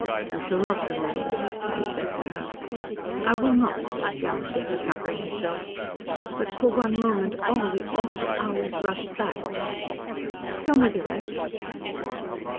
"You shall not remember it," he said to her. "I will not," she answered, recovering herself. "But for one moment all the awful hours rushed back. Tell me the rest."